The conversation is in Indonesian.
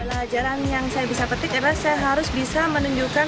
pelajaran yang saya bisa petik adalah saya harus bisa menunjukkan